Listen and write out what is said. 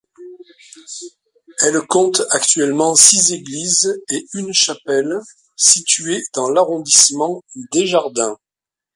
Elle compte actuellement six églises et une chapelle situées dans l'arrondissement Desjardins.